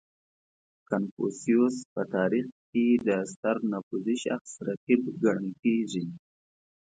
• کنفوسیوس په تاریخ کې د ستر نفوذي شخص رقیب ګڼل کېږي.